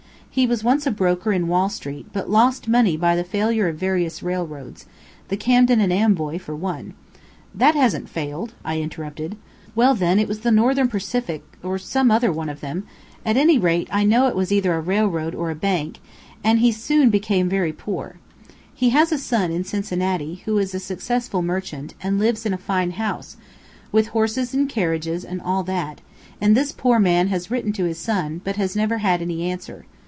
He was once a broker in Wall street, but lost money by the failure of various railroads the Camden and Amboy, for one." "That hasn't failed," I interrupted. "Well then it was the Northern Pacific, or some other one of them at any rate I know it was either a railroad or a bank, and he soon became very poor. He has a son in Cincinnati, who is a successful merchant, and lives in a fine house, with horses and carriages, and all that; and this poor man has written to his son, but has never had any answer.